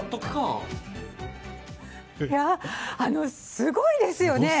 すごいですよね。